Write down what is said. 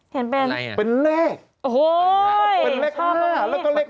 เห็นเป็นเลขโอ้โหเป็นเลข๕แล้วก็เลข๖